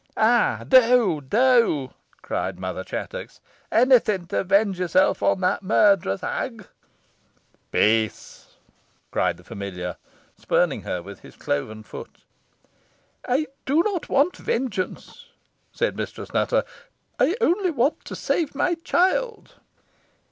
"Ay, do, do!" cried Mother Chattox. "Anything to avenge yourself upon that murtherous hag." "Peace!" cried the familiar, spurning her with his cloven foot. "I do not want vengeance," said Mistress Nutter; "I only want to save my child."